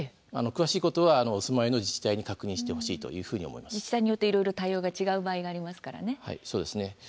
詳しいことはお住まいの自治体に確認してほしいというふうに自治体によっていろいろ対応が違う場合がありますからね。